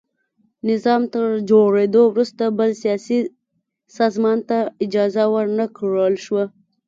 نظام تر جوړېدو وروسته بل سیاسي سازمان ته اجازه ور نه کړل شوه.